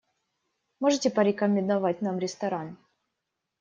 Можете порекомендовать нам ресторан?